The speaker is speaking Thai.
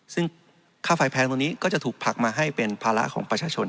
ซึ่งค่าไฟแพงตรงนี้ก็จะถูกผลักมาให้เป็นภาระของประชาชน